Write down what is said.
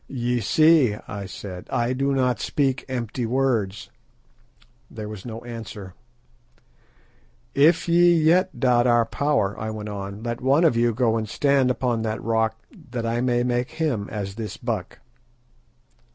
"Ye see," I said, "I do not speak empty words." There was no answer. "If ye yet doubt our power," I went on, "let one of you go stand upon that rock that I may make him as this buck."